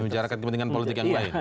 membicarakan kepentingan politik yang baik